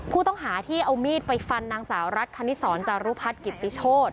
ผู้ต้องหาที่เอามีดไปฟันนางสาวรัฐคณิสรจารุพัฒน์กิติโชธ